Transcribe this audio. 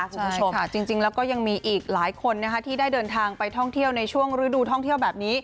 คุณผู้ชมค่ะจริงแล้วก็ยังมีอีกหลายคนนะคะที่ได้เดินทางไปท่องเที่ยวในช่วงฤดูท่องเที่ยวแบบนี้